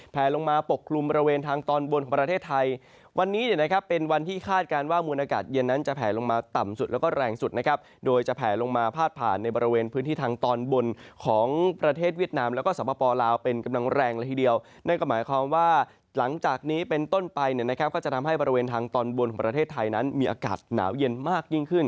เป็นวันที่คาดการณ์ว่ามูลอากาศเย็นนั้นจะแผ่ลงมาต่ำสุดแล้วก็แรงสุดนะครับโดยจะแผ่ลงมาพาดผ่านในบริเวณพื้นที่ทางตอนบนของประเทศวิทยาลัยแล้วก็สภพลาวเป็นกำลังแรงละทีเดียวนั่นก็หมายความว่าหลังจากนี้เป็นต้นไปเนี่ยนะครับก็จะทำให้บริเวณทางตอนบนประเทศไทยนั้นมีอากาศหนาวเย็นมา